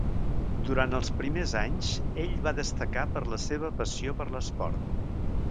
Durant els primers anys, ell va destacar per la seva passió per l'esport.